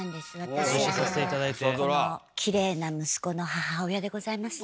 私このきれいな息子の母親でございます。